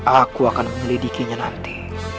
aku akan menyelidikinya nanti